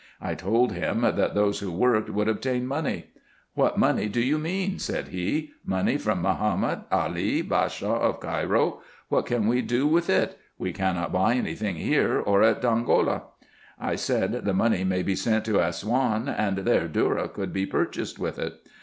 I told him, that those who worked would gain money. " What money do you mean ?" said he, " money from Mahomet IN EGYPT, NUBIA, && 83 Ali, Bashaw of Cairo ? what can we do with it ? we cannot buy any thing here, or at Dongola." I said, the money may be sent to Assouan, and there dhourra could be purchased with it.